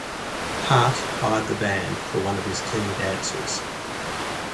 Hart hired the band for one of his teen dances.